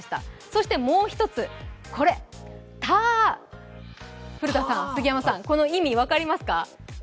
そしてもう１つ、たーーーーー、古田さん、杉山さん、この意味分かりますか？